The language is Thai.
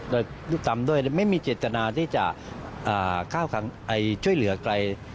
เราทำด้วยไม่มีเจตนาที่จะช่วยเหลือกลาย